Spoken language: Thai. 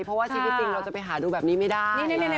เพราะว่าชีวิตจริงเราจะไปหาดูแบบนี้ไม่ได้